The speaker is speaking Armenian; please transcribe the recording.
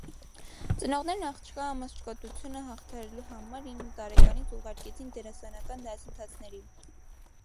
Ծնողներն աղջկա ամաչկոտությունը հաղթահարելու համար ինը տարեկանից ուղարկեցին դերասանական դասընթացների։